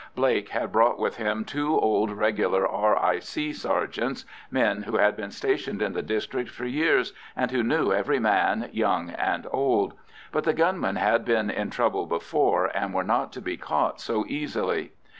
Blake had brought with him two old regular R.I.C. sergeants, men who had been stationed in the district for years, and who knew every man, young and old; but the gunmen had been in trouble before, and were not to be caught so easily.